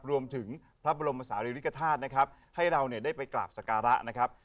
รวมถึงพระบรมศาลีริกฐาตุนะครับให้เราเนี่ยได้ไปกราบสการะนะครับ